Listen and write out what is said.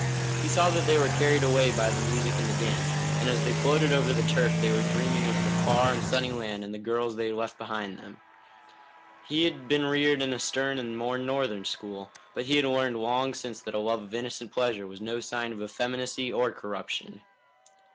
He saw that they were carried away by the music and the dance, and as they floated over the turf they were dreaming of their far and sunny land and the girls they had left behind them. He had been reared in a stern and more northern school, but he had learned long since that a love of innocent pleasure was no sign of effeminacy or corruption.